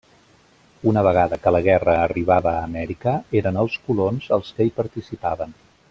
Una vegada que la guerra arribava a Amèrica eren els colons els que hi participaven.